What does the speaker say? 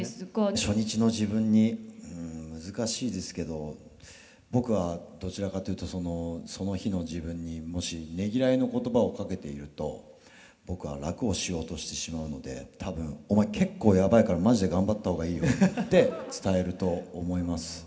初日の自分にうん難しいですけど僕はどちらかというとその日の自分にもしねぎらいの言葉をかけていると僕は楽をしようとしてしまうので多分「お前結構やばいからマジで頑張った方がいいよ」って伝えると思います。